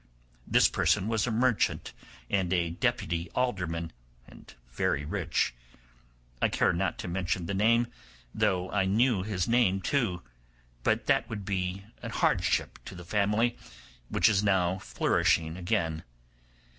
This person was a merchant and a deputy alderman, and very rich. I care not to mention the name, though I knew his name too, but that would be an hardship to the family, which is now flourishing again.